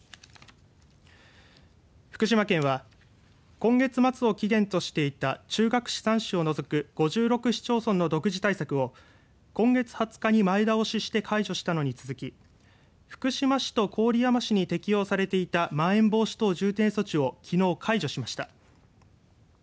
福島県は今月末を期限としていた中核市３市を除く５６市町村の独自対策を今月２０日に前倒しして解除したのに続き福島市と郡山市に適用されていたまん延防止等重点措置をきのう解除しました。